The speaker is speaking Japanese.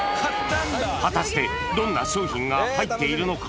果たしてどんな商品が入っているのか？